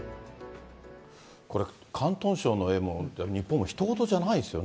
これ、広東省の絵も、日本もひと事じゃないですよ。